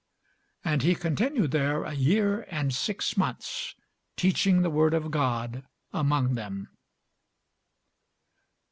And he continued there a year and six months, teaching the word of God among them.